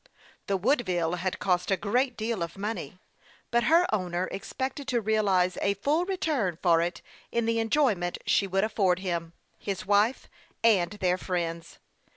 The Woodville had cost a great deal of money; but her owner expected to realize a full return for it in the enjoyment she would afford him, his wife, and their friends.